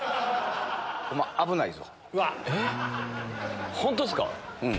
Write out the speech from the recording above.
お前、危ないぞ。